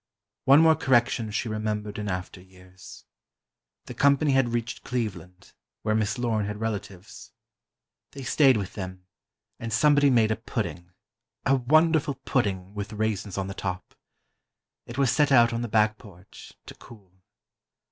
One more correction she remembered in after years. The Company had reached Cleveland, where Miss Lorne had relatives. They stayed with them, and somebody made a pudding—a wonderful pudding, with raisins on the top. It was set out on the back porch, to cool.